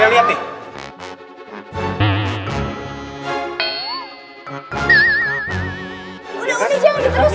udah udah jangan diterusin